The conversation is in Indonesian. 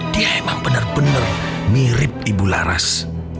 dia emang bener bener mirip ibu laras